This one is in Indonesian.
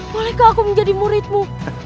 bolehkah aku menjadi muridmu